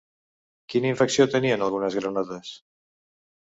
Quina infecció tenien algunes granotes?